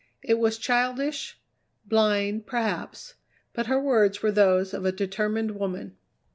It was childish, blind perhaps, but her words were those of a determined woman.